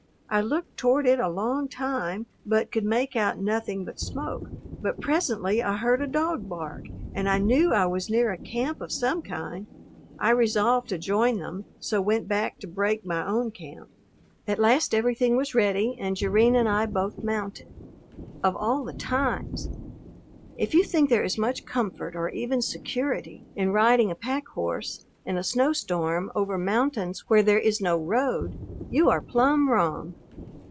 I looked toward it a long time, but could make out nothing but smoke, but presently I heard a dog bark and I knew I was near a camp of some kind. I resolved to join them, so went back to break my own camp. At last everything was ready and Jerrine and I both mounted. Of all the times! If you think there is much comfort, or even security, in riding a pack horse in a snowstorm over mountains where there is no road, you are plumb wrong.